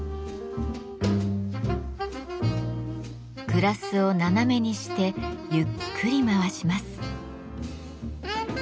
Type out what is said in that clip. グラスを斜めにしてゆっくり回します。